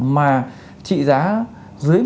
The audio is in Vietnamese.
mà trị giá dưới